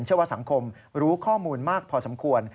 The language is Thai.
เชื่อว่าสังคมรู้ข้อมูลมากพอสมควร